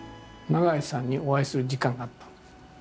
永井さんにお会いする時間があったの。